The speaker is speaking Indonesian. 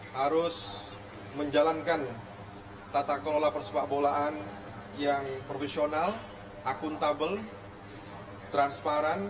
harus menjalankan tata kelola persepak bolaan yang profesional akuntabel transparan